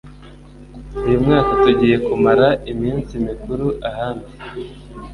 Uyu mwaka tugiye kumara iminsi mikuru ahandi.